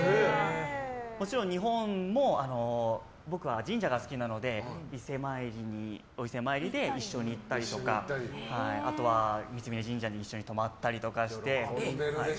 もちろん、日本も僕は神社が好きなのでお伊勢参りで一緒に行ったりとかあとは、伊勢神社に一緒に泊まったりして。